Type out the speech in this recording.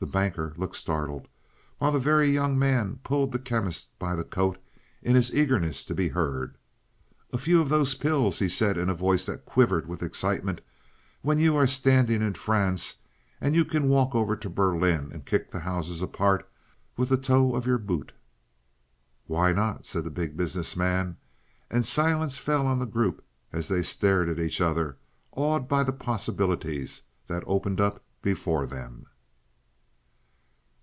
The Banker looked startled, while the Very Young Man pulled the Chemist by the coat in his eagerness to be heard. "A few of those pills," he said in a voice that quivered with excitement, "when you are standing in France, and you can walk over to Berlin and kick the houses apart with the toe of your boot." "Why not?" said the Big Business Man, and silence fell on the group as they stared at each other, awed by the possibilities that opened up before them.